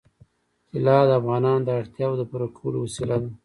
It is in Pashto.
طلا د افغانانو د اړتیاوو د پوره کولو وسیله ده.